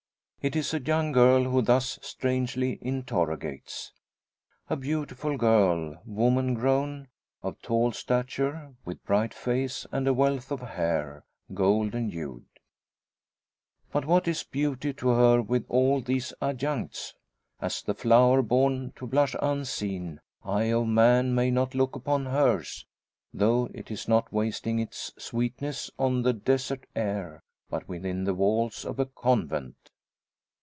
It is a young girl who thus strangely interrogates. A beautiful girl, woman grown, of tall stature, with bright face and a wealth of hair, golden hued. But what is beauty to her with all these adjuncts? As the flower born to blush unseen, eye of man may not look upon hers; though it is not wasting its sweetness on the desert air; but within the walls of a convent.